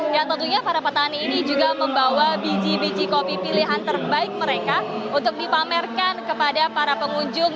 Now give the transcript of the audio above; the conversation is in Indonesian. yang tentunya para petani ini juga membawa biji biji kopi pilihan terbaik mereka untuk dipamerkan kepada para pengunjung